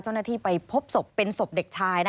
เจ้าหน้าที่ไปพบศพเป็นศพเด็กชายนะ